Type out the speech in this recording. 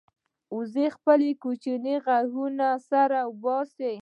وزې خپل کوچنی غږ سره باسي